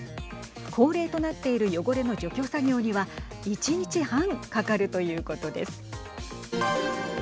恒例となっている汚れの除去作業には１日半かかるということです。